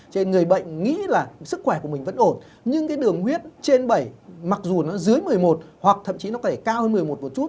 cho nên người bệnh nghĩ là sức khỏe của mình vẫn ổn nhưng cái đường huyết trên bảy mặc dù nó dưới một mươi một hoặc thậm chí nó phải cao hơn một mươi một một chút